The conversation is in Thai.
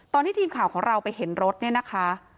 ตอนที่ทีมข่าวของเราไปเห็นรถเนี่ยนะคะ